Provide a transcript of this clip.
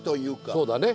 そうだね。